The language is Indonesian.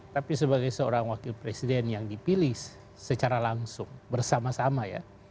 tapi sebagai seorang wakil presiden yang dipilih secara langsung bersama sama ya